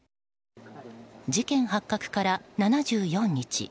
事件発覚から７４日。